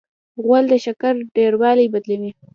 غول د شکر ډېروالی بدلوي.